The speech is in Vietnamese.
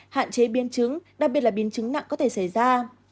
hạn chế biến chứng đặc biệt là biến chứng nặng có thể xảy ra